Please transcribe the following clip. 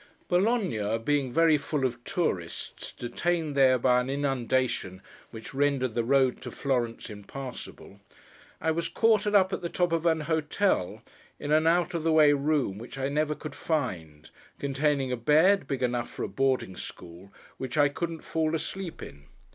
Bologna being very full of tourists, detained there by an inundation which rendered the road to Florence impassable, I was quartered up at the top of an hotel, in an out of the way room which I never could find: containing a bed, big enough for a boarding school, which I couldn't fall asleep in.